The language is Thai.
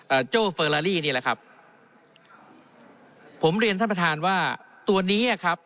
โจ้เฟอร์ลาลี่นี่แหละครับผมเรียนท่านประธานว่าตัวนี้อ่ะครับ